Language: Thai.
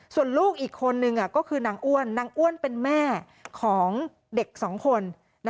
ส่วนลูกอีกคนนึงก็คือนางอ้วนนางอ้วนเป็นแม่ของเด็กสองคน